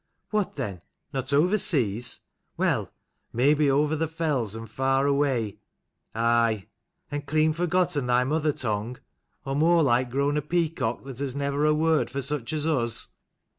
"What then? Not over seas? Well, may be over the fells and far away ?" "Aye." "And clean forgotten thy mother tongue; or more like grown a peacock, that has never a word for such as us?